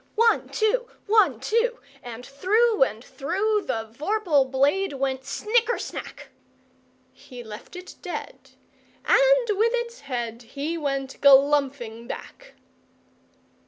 One, two! One, two! And through and throughThe vorpal blade went snicker snack! He left it dead, and with its headHe went galumphing back.